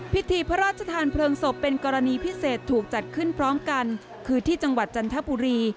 พิธีพระราชทานเพลิงศพเป็นกรณีพิเศษถูกจัดขึ้นพร้อมกันคือที่จังหวัดจันทบุรี